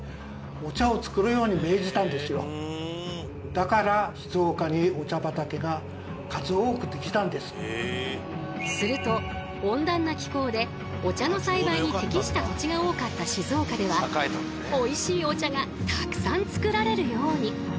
永山先生によれば現在のようにすると温暖な気候でお茶の栽培に適した土地が多かった静岡ではおいしいお茶がたくさん作られるように。